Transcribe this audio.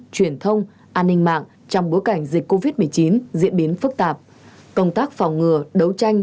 truyền thông an ninh mạng trong bối cảnh dịch covid một mươi chín diễn biến phức tạp công tác phòng ngừa đấu tranh